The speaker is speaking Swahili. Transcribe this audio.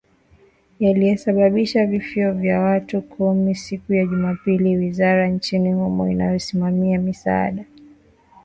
yalisababisha vifo vya watu kumi siku ya Jumapili wizara nchini humo inayosimamia misaada